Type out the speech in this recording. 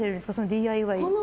ＤＩＹ。